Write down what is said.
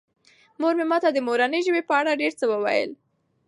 مور مې ماته د مورنۍ ژبې په اړه ډېر څه وویل.